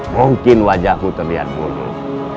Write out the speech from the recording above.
mungkin wajahmu terlihat bodoh